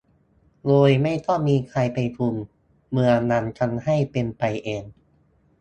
โดยไม่ต้องมีใครไปคุม เมืองมันทำให้เป็นไปเอง